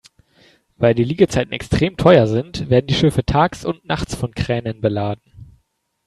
Weil die Liegezeiten extrem teuer sind, werden die Schiffe tags und nachts von Kränen beladen.